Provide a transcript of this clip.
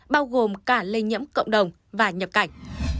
bao gồm cả lây nhiễm cộng đồng và nhập cảnh